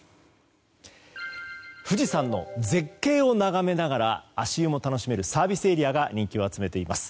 富士山の絶景を眺めながら足湯も楽しめるサービスエリアが人気を集めています。